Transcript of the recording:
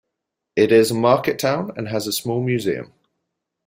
It is a market town and has a small museum.